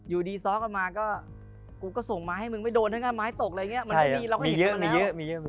อยู่ดีซอสกันมาก็กูก็ส่งไม้ให้มึงไม่โดนถ้างานไม้ตกอะไรอย่างนี้